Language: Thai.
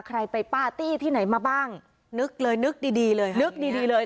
ใครไปปาร์ตี้ที่ไหนมาบ้างนึกเลยนึกดีดีเลยนึกดีดีเลย